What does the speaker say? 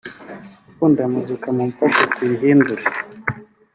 abakunda muzika mumfashe tuyihindure